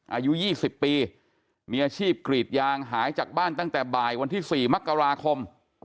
อายุ๒๐ปีมีอาชีพกรีดยางหายจากบ้านตั้งแต่บ่ายวันที่๔มกราคม